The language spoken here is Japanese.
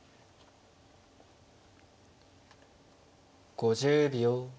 ５０秒。